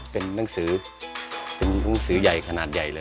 เป็นหนังสือเป็นหนังสือใหญ่ขนาดใหญ่เลย